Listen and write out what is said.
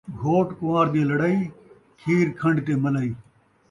گھوٹ کن٘وار دی لڑائی ، کھیر کھن٘ڈ تے ملائی